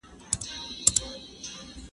زه مخکې کار کړی و،